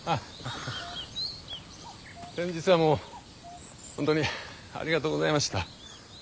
先日はもう本当にありがとうございました。